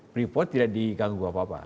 freeport tidak diganggu apa apa